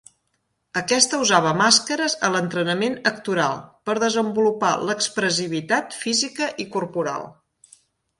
Aquesta usava màscares a l'entrenament actoral, per desenvolupar l'expressivitat física i corporal.